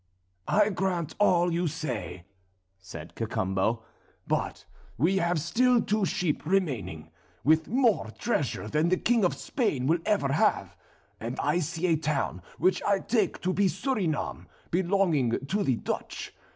"I grant all you say," said Cacambo, "but we have still two sheep remaining, with more treasure than the King of Spain will ever have; and I see a town which I take to be Surinam, belonging to the Dutch.